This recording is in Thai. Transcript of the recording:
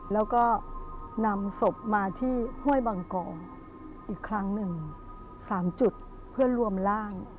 แล้วก็นำศพมาที่ห้วยบางกองอีกครั้งหนึ่ง๓จุดเพื่อรวมร่าง